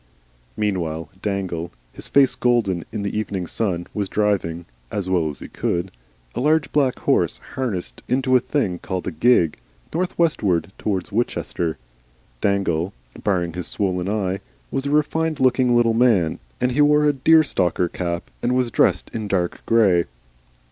Meanwhile Dangle, his face golden in the evening sun, was driving (as well as he could) a large, black horse harnessed into a thing called a gig, northwestward towards Winchester. Dangle, barring his swollen eye, was a refined looking little man, and he wore a deerstalker cap and was dressed in dark grey.